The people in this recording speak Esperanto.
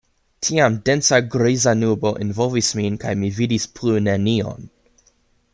Tiam densa griza nubo envolvis min kaj mi vidis plu nenion.